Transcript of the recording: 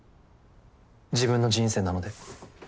自分の人生なので。